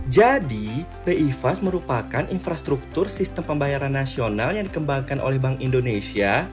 jadi bifas merupakan infrastruktur sistem pembayaran nasional yang dikembangkan oleh bank indonesia